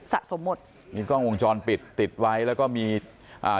สะสมหมดมีกล้องวงจรปิดติดไว้แล้วก็มีอ่า